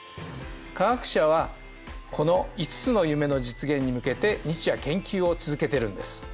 化学者はこの５つの夢の実現に向けて日夜研究を続けてるんです。